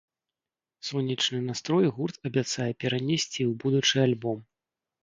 Сонечны настрой гурт абяцае перанесці і ў будучы альбом.